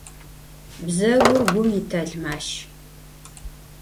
Bzegur gum yitelmaş.